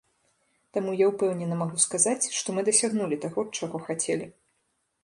Таму я ўпэўнена магу сказаць, што мы дасягнулі таго, чаго хацелі.